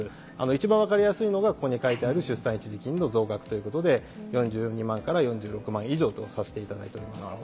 一番分かりやすいのがここに書いてある出産一時金の増額ということで４２万から４６万円以上とさせていただいております。